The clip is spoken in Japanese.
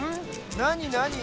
なになに？